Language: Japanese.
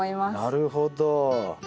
なるほど。